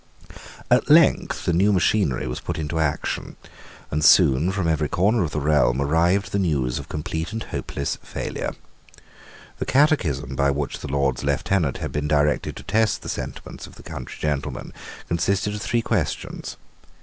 At length the new machinery was put in action; and soon from every corner of the realm arrived the news of complete and hopeless failure. The catechism by which the Lords Lieutenants had been directed to test the sentiments of the country gentlemen consisted of three questions.